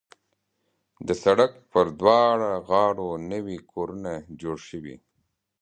د سړک پر دواړه غاړو نوي کورونه جوړ شوي.